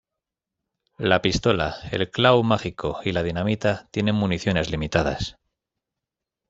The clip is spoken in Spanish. La pistola, el Claw mágico, y la dinamita, tienen municiones limitadas.